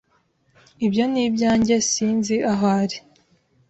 Ibyo ni ibyanjye. Sinzi aho ari.